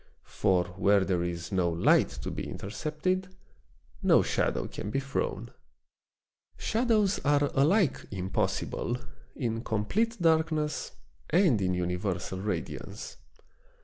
For where there is no light to be intercepted, no shadow can be thrown. Shadows are alike impossible in complete darkness and in universal radiance.